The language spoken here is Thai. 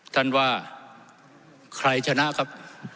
ท่านว่าใครชนะครับ